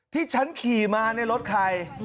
ที่ฉันขี่มาในรถใคร